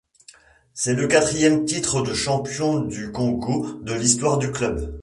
C’est le quatrième titre de champion du Congo de l’histoire du club.